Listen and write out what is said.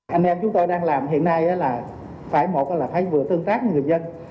anh em chúng tôi đang làm hiện nay là phải vừa tương tác với người dân